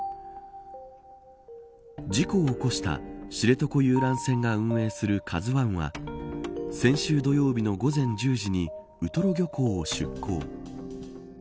事故を起こした知床遊覧船が運営するＫＡＺＵ１は先週土曜日の午前１０時にウトロ漁港を出港。